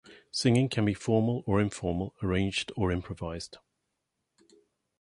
Singing can be formal or informal, arranged or improvised.